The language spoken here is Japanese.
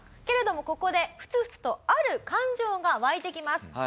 けれどもここでふつふつとある感情が湧いてきます。